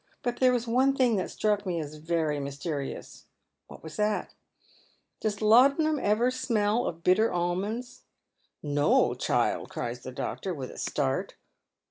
But there was one thing that struck me as very mysterious." " What was that ?" •'Does laudanum ever smell of bitter almonds?" " No, child !" cries the doctor, with a start.